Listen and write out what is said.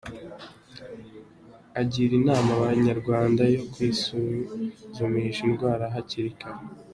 Agira inama Abanyarwanda yo kwisuzumisha indwara hakiri kare.